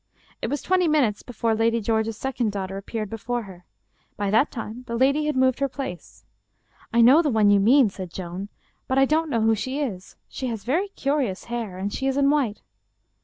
It was twenty minutes before Lady George's second daughter appeared before her. By that time the lady had moved her place. " I know the one you mean," said Joan, " but I don't 288 Without the Wedding Garment know who she is. She has very curious hair and she is in white."